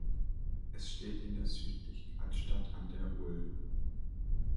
Es steht in der südlichen Altstadt an der ul.